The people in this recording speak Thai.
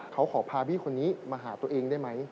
เขาขอพาพี่คนนี้มาหาตัวเองได้ไหม